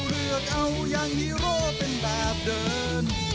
เลือกเอาอย่างฮีโร่เป็นแบบเดิน